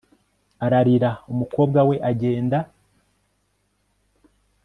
Ararira umukobwa we agenda